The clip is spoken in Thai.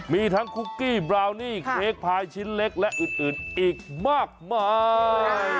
มีทั้งคุกกี้บราวนี่เค้กพายชิ้นเล็กและอื่นอีกมากมาย